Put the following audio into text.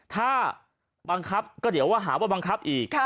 ถ้าบังคับก็เดี๋ยวว่าหาว่าบังคับอีก